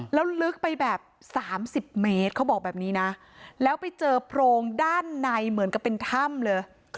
แล้วลึกไปแบบ๓๐เมตรเขาบอกแบบนี้นะแล้วไปเจอโพรงด้านในเหมือนกับเป็นถ้ำเลย